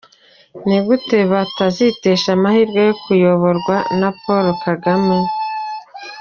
Ni gute batazitesha amahirwe yo kuyoborwa na Paul Kagame?.